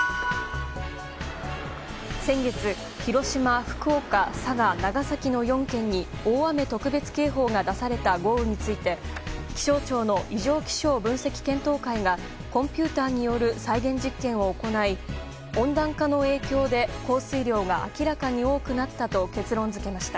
先月広島、福岡、佐賀、長崎の４県に大雨特別警報が出された豪雨について気象庁の異常気象分析検討会がコンピューターによる再現実験を行い温暖化の影響で降水量が明らかに多くなったと結論付けました。